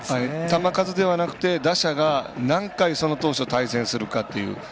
球数ではなくて打者が何回その投手と対戦するかっていう。